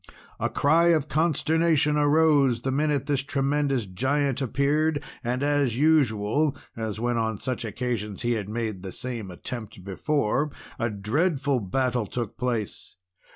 A cry of consternation arose the minute this tremendous Giant appeared. And as usual, as when on such occasions he had made the same attempt before, a dreadful battle took place.